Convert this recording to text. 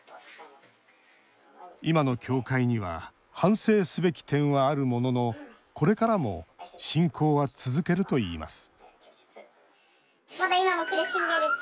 今の教会には反省すべき点はあるもののこれからも信仰は続けるといいます